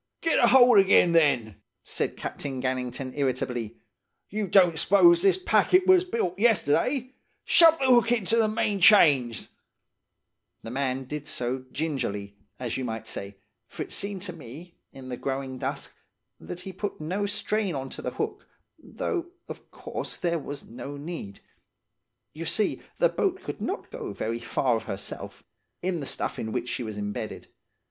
"'Get a hold again, then!' said Captain Gannington irritably. 'You don't s'pose this packet was built yesterday! Shove the hook into the main chains' The man did so gingerly, as you might say, for it seemed to me, in the growing dusk, that he put no strain on to the hook, though, of course there was no need–you see the boat could not go very far of herself, in the stuff in which she was imbedded.